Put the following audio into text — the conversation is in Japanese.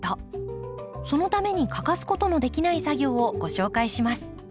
そのために欠かすことのできない作業をご紹介します。